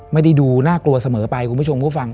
ไม่ได้ดูน่ากลัวเสมอไปคุณผู้ชมผู้ฟัง